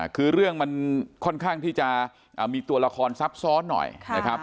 คือเรื่องมันค่อนข้างที่จะมีตัวละครซับซ้อนหน่อยนะครับ